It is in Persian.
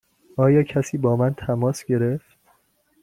آیا کسی با من تماس گرفت؟